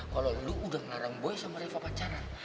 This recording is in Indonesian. kalau lo udah ngarang boy sama reva pacaran